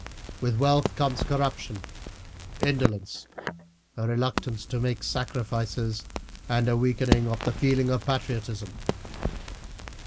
With wealth comes corruption, indolence, a reluctance to make sacrifices, and a weakening of the feeling of patriotism.